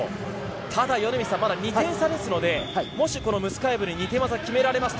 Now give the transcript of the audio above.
ただ、まだ２点差ですのでもしムスカエブに２点技を決められると。